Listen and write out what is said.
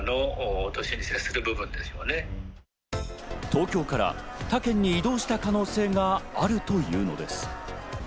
東京から他県に移動した可能性があるというのです。